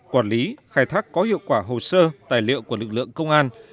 quản lý khai thác có hiệu quả hồ sơ tài liệu của lực lượng công an